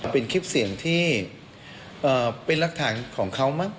เป็นคลิปเสียงที่เป็นรักฐานของเขามั้ง